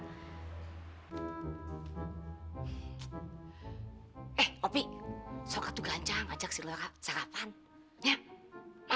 eh opi sokka tuh ganjang ajak si lora sarapan ya